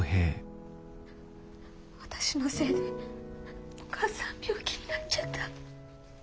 私のせいでお母さん病気になっちゃった。